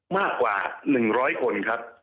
มากกว่า๑๐๐คนครับ